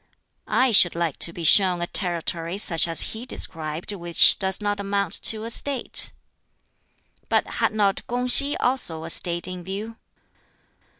"I should like to be shown a territory such as he described which does not amount to a State." "But had not Kung si also a State in view?"